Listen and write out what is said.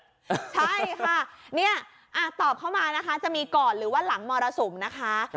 ใช่ค่ะเนี่ยตอบเข้ามานะคะจะมีก่อนหรือว่าหลังมรสุมนะคะ